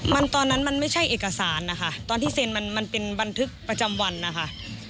มันตอนนั้นมันไม่ใช่เอกสารนะคะตอนที่เซ็นมันมันเป็นบันทึกประจำวันนะคะ